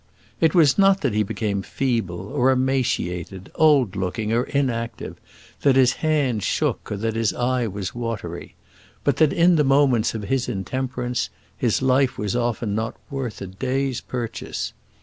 It was not that he became feeble or emaciated, old looking or inactive, that his hand shook, or that his eye was watery; but that in the moments of his intemperance his life was often not worth a day's purchase.